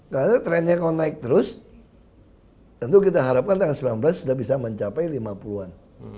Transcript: karena trennya kalau naik terus tentu kita harapkan tahun sembilan belas sudah bisa mencapai lima puluh an